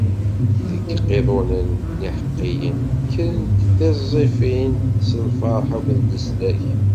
Deg yiqiḍunen n iḥeqqiyen, kkrent tiẓẓifin s lferḥ akked leslak.